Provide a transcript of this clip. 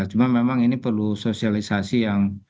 cuma memang ini perlu sosialisasi yang